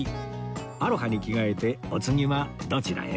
アロハに着替えてお次はどちらへ？